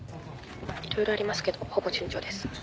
色々ありますけどほぼ順調です。